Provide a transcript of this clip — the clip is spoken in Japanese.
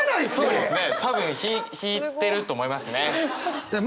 そうですね。